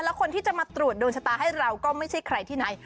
แล้วคนที่จะมาตรวจโดนชะตาให้เราก็ไม่ใช่ใครที่ไหน